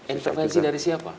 intervensi dari siapa